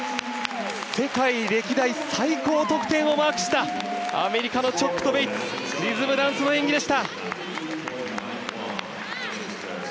世界歴代最高得点をマークしたアメリカのチョックとベイツのリズムダンスの演技でした。